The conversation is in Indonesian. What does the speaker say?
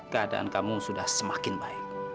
keadaan kamu sudah semakin baik